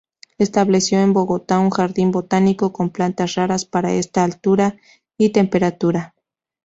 Estableció en Bogotá, un jardín botánico con plantas raras para esta altura y temperatura.